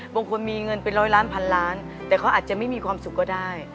บางคนมีเงินเป็นร้อยล้านพันล้านแต่เขาอาจจะไม่มีความสุขก็ได้